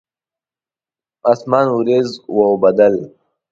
اسمان اوریځ واوبدل